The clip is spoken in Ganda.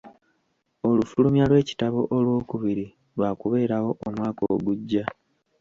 Olufulumya lw'ekitabo olwokubiri lwa kubeerawo omwaka ogujja.